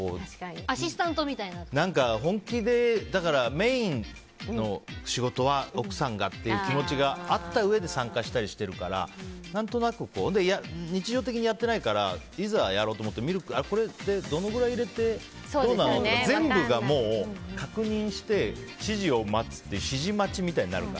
メインの仕事は奥さんがという気持ちがあったうえで参加したりしてるからで、日常的にやってないからいざやろうと思ってミルク、どのくらい入れてどうなの？とか、全部が確認して指示を待つっていう指示待ちみたいになるから。